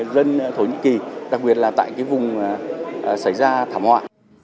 đại sứ nhân dân thổ nhĩ kỳ đặc biệt là tại vùng xảy ra thảm họa